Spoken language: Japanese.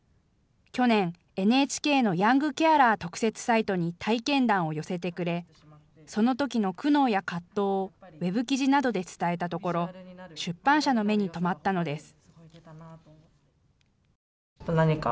去年、ＮＨＫのヤングケアラー特設サイトに体験談を寄せてくれ、そのときの苦悩や葛藤をＷＥＢ記事などで伝えたところ出版社の目に留まったのです。